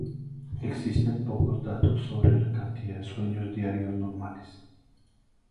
Existen pocos datos sobre la cantidad de sueños diarios normales.